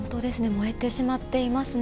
燃えてしまっていますね。